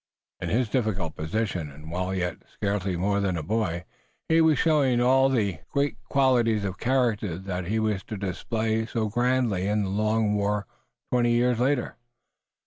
In his difficult position, and while yet scarcely more than a boy, he was showing all the great qualities of character that he was to display so grandly in the long war twenty years later.